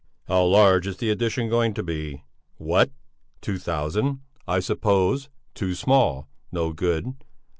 "How large is the edition going to be? What? Two thousand, I suppose. Too small! No good!